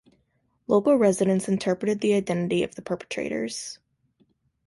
Local residents interpreted the identity of the perpetrators.